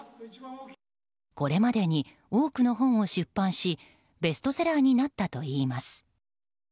これまでに多くの本を出版しベストセラーになったといいます。